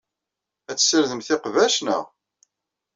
Ad tessirdemt iqbac, naɣ?